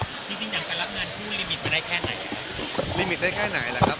ที่สิ่งจำกันแล้วงานผู้ลิมิตมาได้แค่ไหนครับ